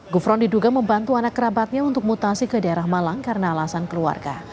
gufron diduga membantu anak kerabatnya untuk mutasi ke daerah malang karena alasan keluarga